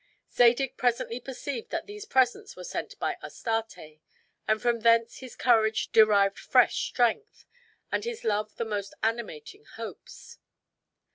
Zadig presently perceived that these presents were sent by Astarte; and from thence his courage derived fresh strength, and his love the most animating hopes.